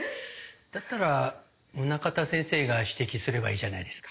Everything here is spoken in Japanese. だったら宗方先生が指摘すればいいじゃないですか。